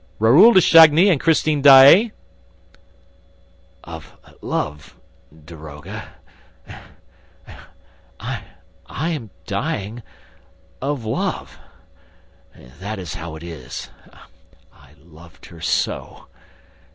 "Raoul de Chagny and Christine Daae?" "Of love ... daroga ... I am dying ... of love ... That is how it is ... loved her so!